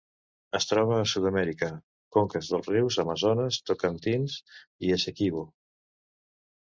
Es troba a Sud-amèrica: conques dels rius Amazones, Tocantins i Essequibo.